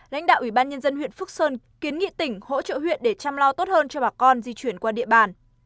lãnh đạo ủy ban nhân dân huyện phước sơn kiến nghị tỉnh hỗ trợ huyện để chăm lo tốt hơn cho bà con di chuyển qua địa bàn